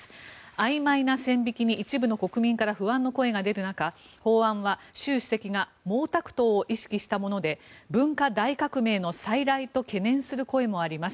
あいまいな線引きに一部の国民から不満の声が出る中法案は習主席が毛沢東を意識したもので文化大革命の再来と懸念する声もあります。